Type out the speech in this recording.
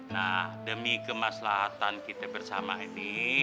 nah demi kemaslahatan kita bersama ini